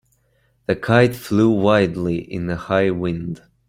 The kite flew wildly in the high wind.